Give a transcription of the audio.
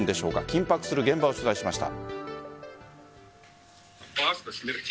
緊迫する現場を取材しました。